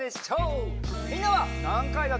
みんなはなんかいだとおもう？